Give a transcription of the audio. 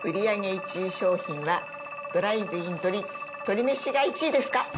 １位商品はドライブイン鳥、鳥めしが１位ですか？